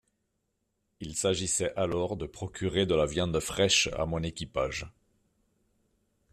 Il s’agissait alors de procurer de la viande fraîche à mon équipage.